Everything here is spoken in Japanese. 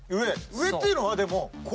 上っていうのはでも。